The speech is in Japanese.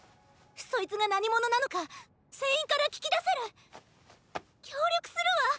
そいつが何者なのか船員から聞き出せる！協力するわ！